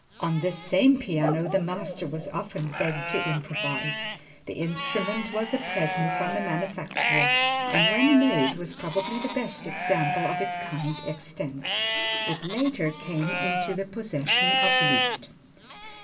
On this same piano the master was often begged to improvise. The instrument was a present from the manufacturers, and when made, was probably the best example of its kind extant. It later came into the possession of Liszt.